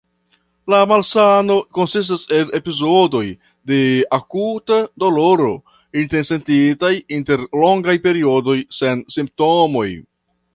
La malsano konsistas el epizodoj de akuta doloro intersentitaj inter longaj periodoj sen simptomoj.